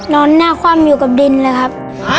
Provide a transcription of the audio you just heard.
นอนหน้าคว่ำอยู่กับดินเลยครับ